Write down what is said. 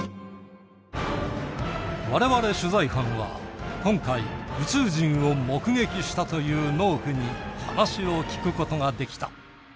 我々取材班は今回宇宙人を目撃したという農夫に話を聞くことができた。